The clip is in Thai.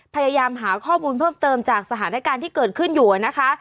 พยายามหาข้อมูลเพิ่มเติมจากสถานการณ์ที่เกิดขึ้นอยู่นะคะ